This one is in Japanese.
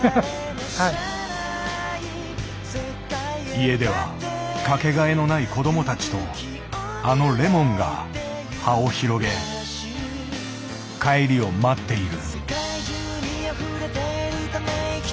家ではかけがえのない子どもたちとあのレモンが葉を広げ帰りを待っている。